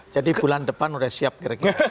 jadi bulan depan sudah siap kira kira